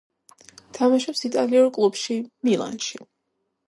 თამაშობს იტალიურ კლუბ „მილანში“.